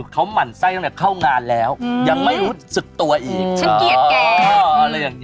ฉันเกลียดแก